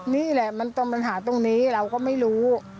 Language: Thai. นี่แหละมันตรงปัญหาตรงนี้เราก็ไม่รู้